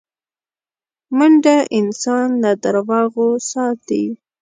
منډه انسان له دروغو ساتي